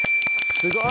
すごい。